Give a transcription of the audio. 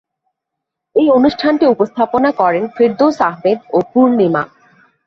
এই অনুষ্ঠানটি উপস্থাপনা করেন ফেরদৌস আহমেদ ও পূর্ণিমা।